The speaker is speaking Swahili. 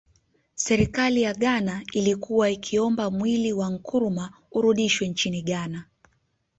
Serikali ya Ghana ilikuwa ikiomba mwili wa Nkrumah urudishwe nchini Ghana